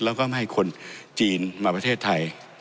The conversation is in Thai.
แล้วก็ไม่ให้คนจีนมาประเทศไทย